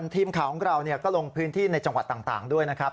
ทีมข่าวของเราก็ลงพื้นที่ในจังหวัดต่างด้วยนะครับ